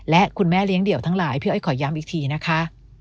และคุณแม่เลี้ยงเดี่ยวทั้งหลายพี่อ้อยขอย้ำอีกทีนะคะ